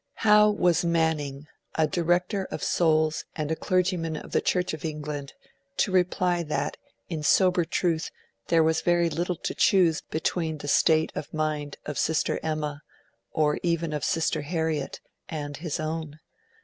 How was Manning, a director of souls, and a clergyman of the Church of England, to reply that in sober truth there was very little to choose between the state of mind of Sister Emma, or even of Sister Harriet, and his own?